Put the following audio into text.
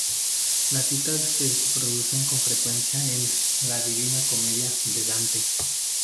Las citas de que se producen con frecuencia en la "Divina Comedia" de Dante.